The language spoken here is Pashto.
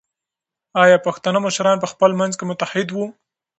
ایا پښتانه مشران په خپل منځ کې متحد وو؟